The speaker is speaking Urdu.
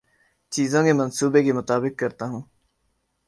چیزوں کے منصوبے کے مطابق کرتا ہوں